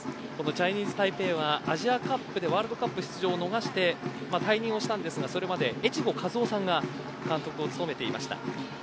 チャイニーズタイペイはアジアカップでワールドカップ出場を逃して退任をしたんですがそれまで越後和男さんが監督を務めていました。